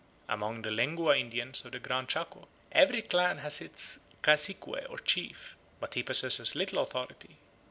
_" Among the Lengua Indians of the Gran Chaco every clan has its cazique or chief, but he possesses little authority.